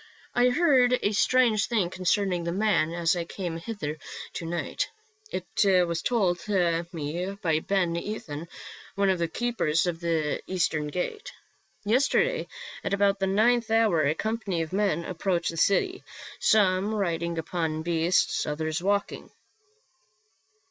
I heard a strange thing concerning the man as I came hither to night ; it was told me by Ben Ethan, one of the keepers of the Eastern Gate. Yesterday, at about the ninth hour, a company of men approached the city, some riding upon beasts, others walking.